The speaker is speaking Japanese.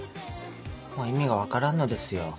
もう意味が分からんのですよ